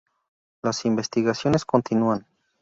Las investigaciones continúan.